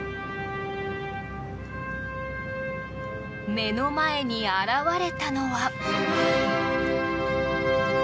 目の前に現れたのは。